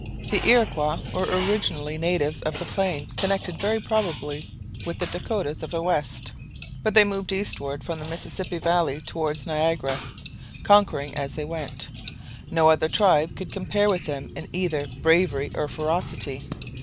The Iroquois were originally natives of the plain, connected very probably with the Dakotas of the west. But they moved eastwards from the Mississippi valley towards Niagara, conquering as they went. No other tribe could compare with them in either bravery or ferocity.